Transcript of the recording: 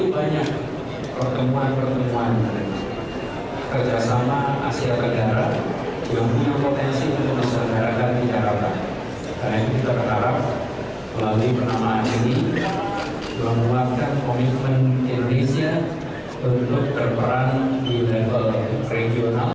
komitmen indonesia untuk berperan di level regional